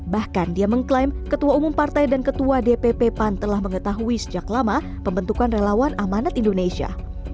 bahkan dia mengklaim ketua umum partai dan ketua dpp pan telah mengetahui sejak lama pembentukan relawan amanat indonesia